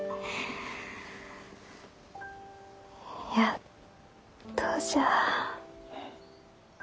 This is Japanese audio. やっとじゃ。